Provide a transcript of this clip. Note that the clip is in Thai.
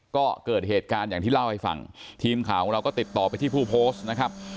ก็เกิดเหตุการณ์อย่างที่เล่าให้ฟังทีมข่าวของเราก็ติดต่อไปที่ผู้โพสต์นะครับ